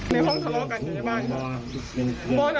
ในห้องทะเลาะกันอยู่ในบ้านครับ